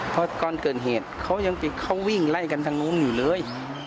เพราะตอนเกิดเหตุเขายังเขาวิ่งไล่กันทางนู้นอยู่เลย